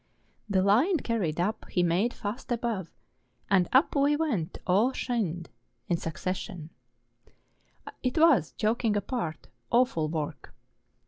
The line carried up he made fast above, and up we went all " shinned " in suc¬ cession. It was, joking apart, awful work.